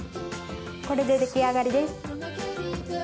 これで出来上がりです。